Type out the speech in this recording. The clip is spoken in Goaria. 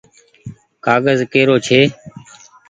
ڪآگز ڪي رو ڇي۔